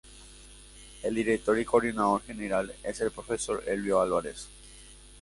El director y coordinador general es el profesor Elbio Álvarez.